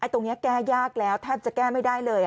ตรงนี้แก้ยากแล้วแทบจะแก้ไม่ได้เลย